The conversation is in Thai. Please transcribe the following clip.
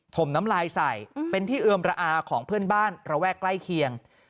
มน้ำลายใส่เป็นที่เอือมระอาของเพื่อนบ้านระแวกใกล้เคียง